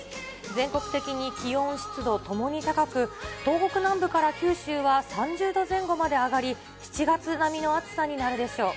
全国的に気温、湿度ともに高く、東北南部から九州は３０度前後まで上がり、７月並みの暑さになるでしょう。